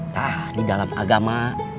nah di dalam agama